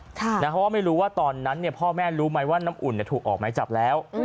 เพราะว่าไม่รู้ว่าตอนนั้นพ่อแม่รู้ไหมว่าน้ำอุ่นถูกออกไม้จับแล้ว